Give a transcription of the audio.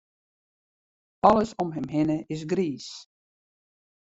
Alles om him hinne is griis.